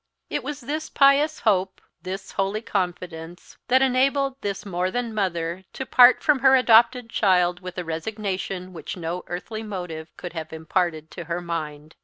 It was this pious hope, this holy confidence, that enabled this more than mother to part from her adopted child with a resignation which no earthly motive could have imparted to her mind.